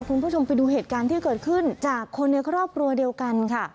คุณผู้ชมไปดูเหตุการณ์ที่เกิดขึ้นจากคนในครอบครัวเดียวกันค่ะ